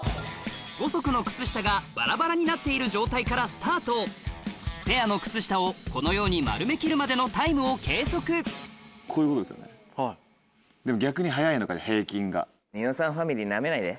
５足の靴下がバラバラになっている状態からスタートペアの靴下をこのように丸めきるまでのタイムを計測こういうことですよねでも。